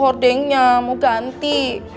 hordengnya mau ganti